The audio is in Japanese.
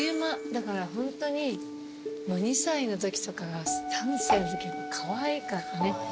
だからホントに２歳のときとか３歳のときかわいかったね